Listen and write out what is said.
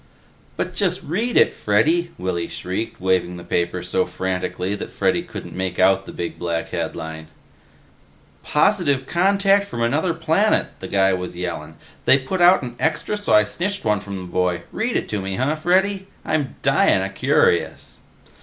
"But just read it, Freddy," Willy shrieked, waving the paper so frantically that Freddy couldn't make out the big black headline. "'Positive contact from another planet,' the guy was yellin'. They put out an Extra so I snitched one from the boy. Read it to me, huh, Freddy? I'm dyin' o' curious."